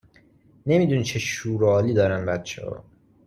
نمیدونی چه شور و حالی دارن بچهها!